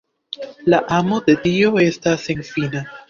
La amo de Dio estas senfina.